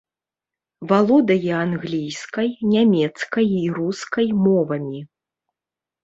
Валодае англійскай, нямецкай і рускай мовамі.